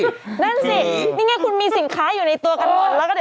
นั่นสินี่ไงคุณมีสินค้าอยู่ในตัวกันหมด